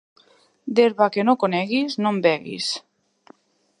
D'herba que no coneguis, no en beguis.